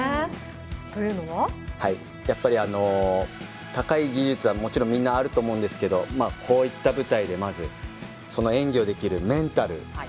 やっぱり高い技術はもちろん、みなあると思うんですけれどこういった舞台でまず、その演技をできるメンタル。